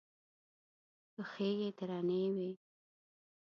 پښې یې درنې وې.